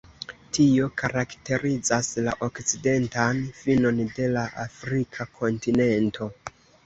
Tio karakterizas la okcidentan finon de la Afrika kontinento.